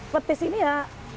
petis ini ya